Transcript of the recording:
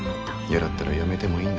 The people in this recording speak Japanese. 嫌だったらやめてもいいんだよ。